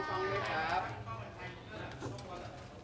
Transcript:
ขอขอบคุณหน่อยนะคะ